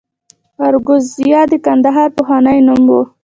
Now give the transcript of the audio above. اراکوزیا د کندهار پخوانی نوم و